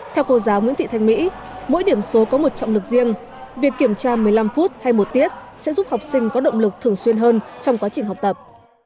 theo cô giáo nguyễn thị thanh mỹ mỗi điểm số có một trọng lực riêng việc kiểm tra một mươi năm phút hay một tiết sẽ giúp học sinh có động lực thường xuyên hơn trong quá trình học tập